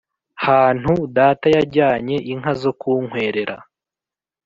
hantu data yajyanye inka zo kunkwerera."